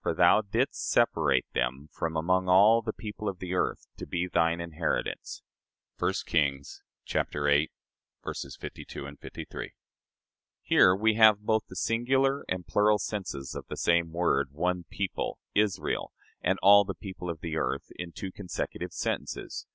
For thou didst separate them from among all the people of the earth, to be thine inheritance." (1 Kings viii, 52, 53.) Here we have both the singular and plural senses of the same word one people, Israel, and all the people of the earth in two consecutive sentences.